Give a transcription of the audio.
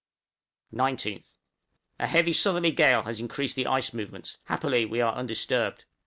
19th. A heavy southerly gale has increased the ice movements; happily we are undisturbed.